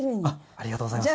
ありがとうございます。